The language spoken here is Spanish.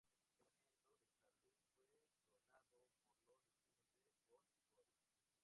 El molino de viento del jardín fue donado por los vecinos de Gol Gol.